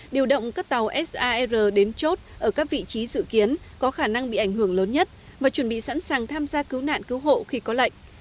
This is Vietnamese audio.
điều động các tàu sar đến chốt ở các vị trí dự kiến có khả năng bị ảnh hưởng lớn nhất và chuẩn bị sẵn sàng tham gia cứu nạn cứu hộ khi có lệnh